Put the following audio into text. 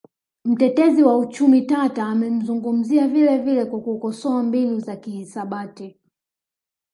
Mtetezi wa uchumi tata amezungumzia vilevile kwa kukosoa mbinu za kihisabati